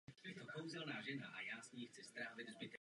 Vznikl s nástupem císařství po vraždě Julia Caesara a pádu republiky.